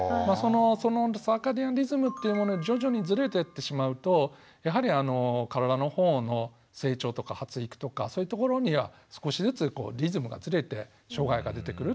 そのサーカディアンリズムというもの徐々にずれてってしまうとやはりあの体の方の成長とか発育とかそういうところには少しずつこうリズムがずれて障害が出てくるというふうにも考えられてます。